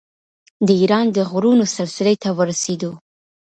د ایران د غرونو سلسلې ته ورسېدو.